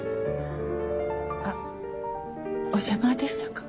あっお邪魔でしたか？